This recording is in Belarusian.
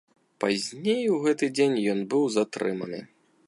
Пазней у гэты дзень ён быў затрыманы.